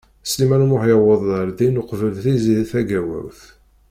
Sliman U Muḥ yewweḍ ar din uqbel Tiziri Tagawawt.